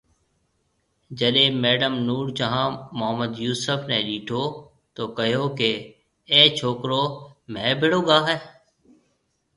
جڏي ميڊم نور جهان محمد يوسف ني ڏيٺو تو ڪهيو ڪي اي ڇوڪرو ميهه ڀيڙو گاۿي؟